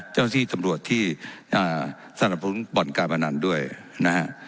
เจ้าหน้าที่ตำรวจที่สนับสนุนบ่อนการพนันด้วยนะฮะ